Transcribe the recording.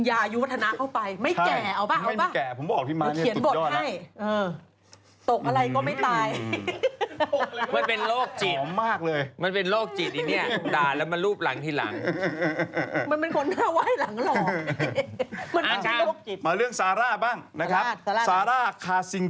อายุมากแต่กินยายุวัฒนาเข้าไป